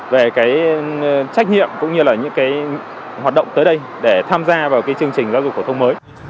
về trách nhiệm và những hoạt động tới đây để tham gia vào chương trình giáo dục phổ thông mới